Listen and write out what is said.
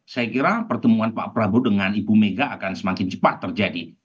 saya kira pertemuan pak prabowo dengan ibu mega akan semakin cepat terjadi